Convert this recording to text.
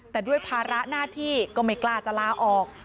แต่ด้วยภาระหน้าที่ก็ไม่กล้าจะลาออก